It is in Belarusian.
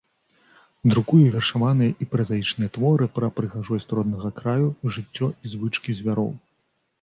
Друкуе вершаваныя і празаічныя творы пра прыгажосць роднага краю, жыццё і звычкі звяроў.